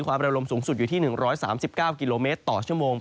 ความแบบสูงสุดอยู่ที่๑๓๙กิโลเมตรต่อเช้าโมง